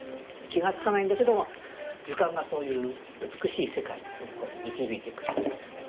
気が付かないんだけども図鑑がそういう美しい世界に導いてくれるというですね